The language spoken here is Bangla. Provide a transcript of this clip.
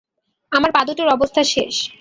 আমার পা দুটোর অবস্থা শেষ।